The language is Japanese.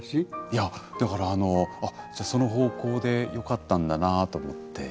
いやだからあの「あっじゃあその方向でよかったんだなあ」と思って。